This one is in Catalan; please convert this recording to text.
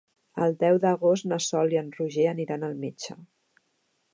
El deu d'agost na Sol i en Roger aniran al metge.